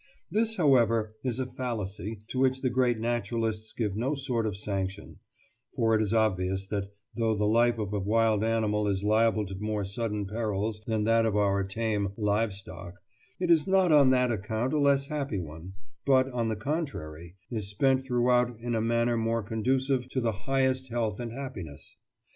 This, however, is a fallacy to which the great naturalists give no sort of sanction; for it is obvious that, though the life of a wild animal is liable to more sudden perils than that of our tame "livestock," it is not on that account a less happy one, but, on the contrary, is spent throughout in a manner more conducive to the highest health and happiness.